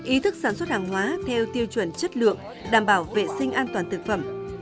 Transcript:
ý thức sản xuất hàng hóa theo tiêu chuẩn chất lượng đảm bảo vệ sinh an toàn thực phẩm